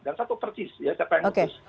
dan satu persis ya siapa yang putus